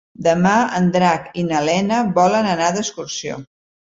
Demà en Drac i na Lena volen anar d'excursió.